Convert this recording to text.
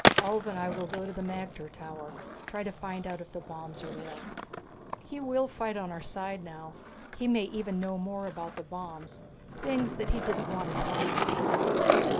Ulv and I will go to the magter tower, try to find out if the bombs are there. He will fight on our side now. He may even know more about the bombs, things that he didn't want to tell me before.